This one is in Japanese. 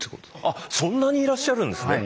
あっそんなにいらっしゃるんですね。